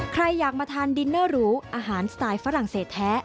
ใครอยากมาทานดินเนอร์หรูอาหารสไตล์ฝรั่งเศสแท้